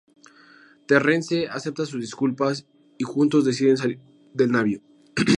Terrence acepta sus disculpas y juntos deciden salir del navío.